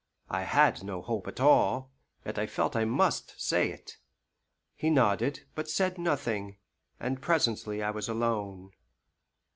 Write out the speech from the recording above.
I had no hope at all, yet I felt I must say it. He nodded, but said nothing, and presently I was alone.